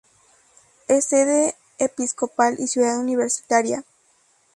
Es sede episcopal y ciudad universitaria.